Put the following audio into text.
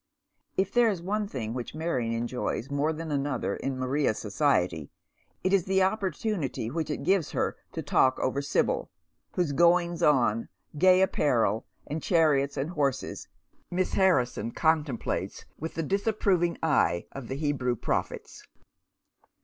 If there is one thing which Marion enjoys more than another in Maria's society it is the opportunity which it gives her to talk over Sibyl, whose goings on, gay apparel, and chariots and horses, Miss Hanison contemplates with the dis approving eye of the Hebrew prophets.